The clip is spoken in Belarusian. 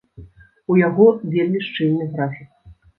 У яго вельмі шчыльны графік.